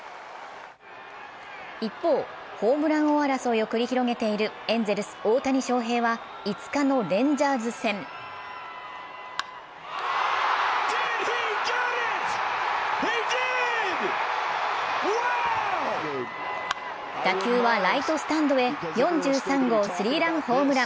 一方、ホームラン王争いを繰り広げているエンゼルス・大谷翔平は、５日のレンジャーズ戦打球はライトスタンドへ４３号スリーランホームラン。